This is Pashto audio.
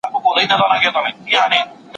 دا سیالي په ډېر شفاف ډول ترسره شوه.